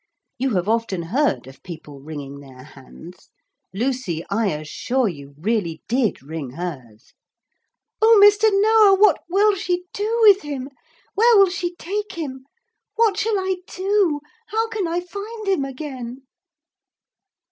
You have often heard of people wringing their hands. Lucy, I assure you, really did wring hers. 'Oh! Mr. Noah, what will she do with him? Where will she take him? What shall I do? How can I find him again?'